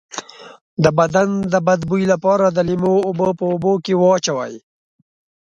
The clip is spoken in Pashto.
د بدن د بد بوی لپاره د لیمو اوبه په اوبو کې واچوئ